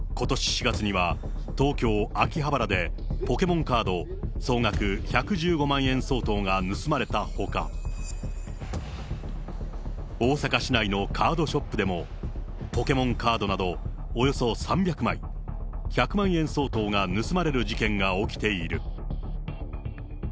ことし４月には、東京・秋葉原でポケモンカード総額１１５万円相当が盗まれたほか、大阪市内のカードショップでも、ポケモンカードなどおよそ３００枚、１００万円相当が盗まれる事件が起きている。